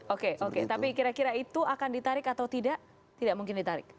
oke oke tapi kira kira itu akan ditarik atau tidak tidak mungkin ditarik